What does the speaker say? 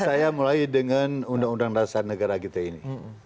ini berkait dengan undang undang dasar negara kita ini